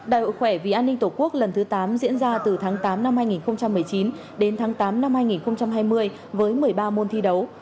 đại hội khỏe vì an ninh tổ quốc lần thứ tám diễn ra từ tháng tám năm hai nghìn một mươi chín đến tháng tám năm hai nghìn hai mươi với một mươi ba môn thi đấu